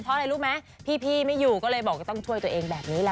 เพราะอะไรรู้ไหมพี่ไม่อยู่ก็เลยบอกว่าต้องช่วยตัวเองแบบนี้แหละ